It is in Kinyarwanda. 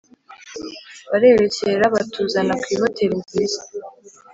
barerekera batuzana ku ihoteli nziza